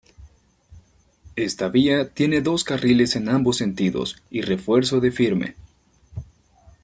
Esta vía tiene dos carriles en ambos sentidos y refuerzo de firme.